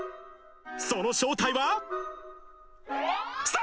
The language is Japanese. その正体は。